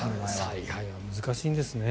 采配は難しいんですね。